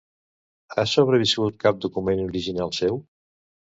Ha sobreviscut cap document original seu?